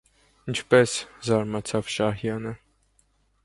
- Ինչպե՞ս,- զարմացավ Շահյանը: